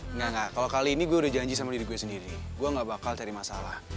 enggak enggak kalau kali ini gue udah janji sama diri gue sendiri gue gak bakal cari masalah